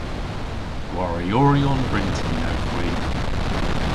Gwarioryon bryntin ewgh hwi.